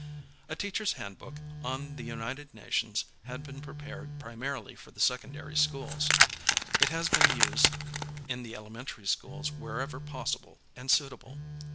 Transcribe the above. A teacher's handbook on The United Nations has been prepared primarily for the secondary schools. It has been used in the elementarv schools wherever possible and suitable.